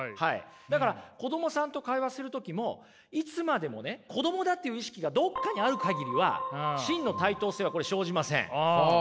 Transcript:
だから子供さんと会話する時もいつまでもね子供だっていう意識がどこかにある限りは真の対等性はこれ生じません。